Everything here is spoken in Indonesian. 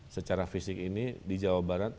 secara fisik ini di jawa barat